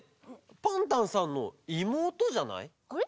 パンタンさんのいもうとじゃない？